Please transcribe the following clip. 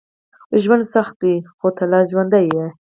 ژوند سخت ده، خو ته لا ژوندی یې.